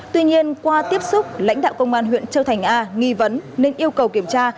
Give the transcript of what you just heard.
tuy nhiên qua tiếp xúc lãnh đạo công an huyện châu thành a nghi vấn nên yêu cầu kiểm tra